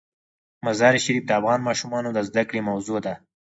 مزارشریف د افغان ماشومانو د زده کړې موضوع ده.